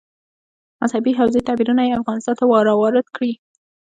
مذهبي حوزې تعبیرونه یې افغانستان ته راوارد کړي.